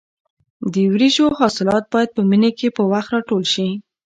د وریژو حاصلات باید په مني کې په وخت راټول شي.